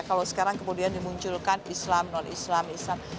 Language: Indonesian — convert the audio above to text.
kalau sekarang kemudian dimunculkan islam non islam islam